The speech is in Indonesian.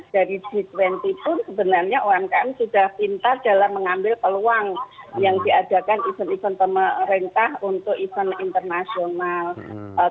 dari g dua puluh pun sebenarnya umkm sudah pintar dalam mengambil peluang yang diadakan event event pemerintah untuk event internasional